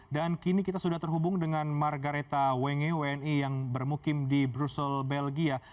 dan kini kita sudah terhubung dengan margareta wenge wni yang bermukim di brussel belgia